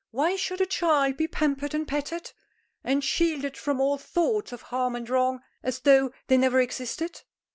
"Why should a child be pampered and petted, and shielded from all thoughts of harm and wrong, as though they never existed?